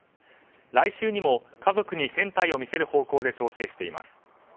来週にも家族に船体を見せる方向で調整しています。